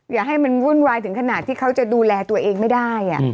อย่าให้มันวุ่นวายถึงขนาดที่เขาจะดูแลตัวเองไม่ได้